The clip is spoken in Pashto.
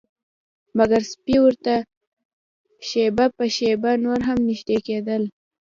مګر سپي ورته شیبه په شیبه نور هم نږدې کیدل